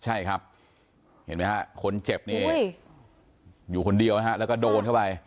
ใช่ครับเห็นไหมฮะคนเจ็บนี่อยู่คนเดียวนะฮะแล้วก็โดนเข้าไป